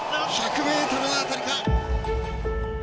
１００ｍ辺りか。